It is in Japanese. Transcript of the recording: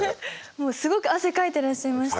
もうすごく汗かいてらっしゃいましたよね。